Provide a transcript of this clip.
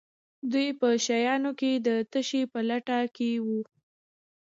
دوی په شیانو کې د تشې په لټه کې وي.